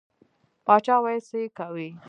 باچا ویل څه یې کوې.